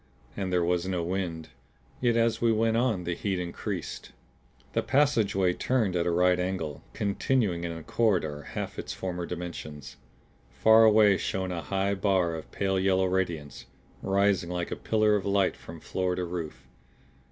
And there was no wind. Yet as we went on the heat increased. The passageway turned at a right angle, continuing in a corridor half its former dimensions. Far away shone a high bar of pale yellow radiance, rising like a pillar of light from floor to roof.